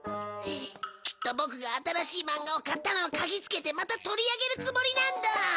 きっとボクが新しい漫画を買ったのを嗅ぎつけてまた取り上げるつもりなんだ。